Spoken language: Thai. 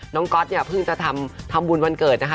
ก๊อตเนี่ยเพิ่งจะทำบุญวันเกิดนะคะ